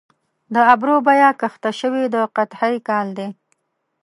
د ابرو بیه کښته شوې د قحطۍ کال دي